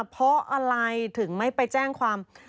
เพราะอะไรถึงไม่ไปแจ้งความ